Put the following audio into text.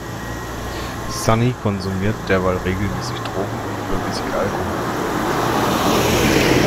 Sunny konsumiert derweil regelmäßig Drogen und übermäßig Alkohol.